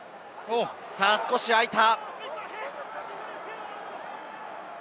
少しあいた。